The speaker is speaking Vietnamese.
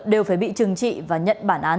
đều phải bị trừng trị và nhận bản án